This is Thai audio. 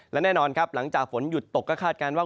และแน่นอนครับหลังจากฝนหยุดตกก็คาดการณ์ว่า